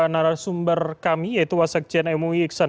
narasumber kami yaitu wasaq cnmui iksan